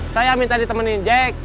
saya minta ditemenin jack